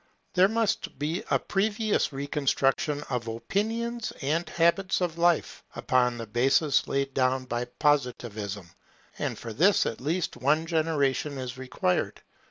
There must be a previous reconstruction of opinions and habits of life upon the basis laid down by Positivism; and for this at least one generation is required.